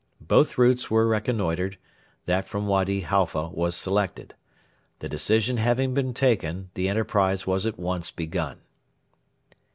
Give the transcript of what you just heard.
Both routes were reconnoitred: that from Wady Halfa was selected. The decision having been taken, the enterprise was at once begun.